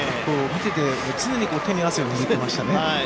見ていて、常に手に汗を握っていましたね。